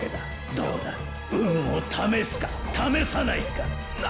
どうだ⁉運を「試す」か⁉「試さない」か⁉な！